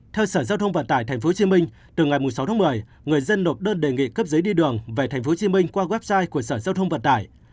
theo sở giao thông vận tải tp hcm từ ngày sáu tháng một mươi người dân nộp đơn đề nghị cấp giấy đi đường về tp hcm qua website của sở giao thông vận tải